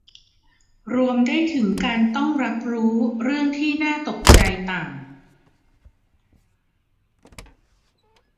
รวมได้ถึงการต้องรับรู้เรื่องที่น่าตกใจต่าง